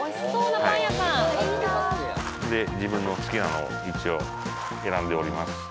自分の好きなのを一応選んでおります。